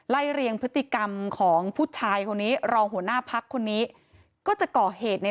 เรียงพฤติกรรมของผู้ชายคนนี้รองหัวหน้าพักคนนี้ก็จะก่อเหตุใน